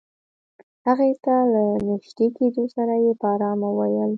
هغې ته له نژدې کېدو سره يې په آرامه وويل.